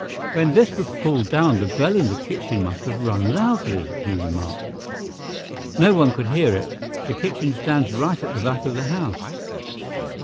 "When this was pulled down, the bell in the kitchen must have rung loudly," he remarked. "No one could hear it. The kitchen stands right at the back of the house."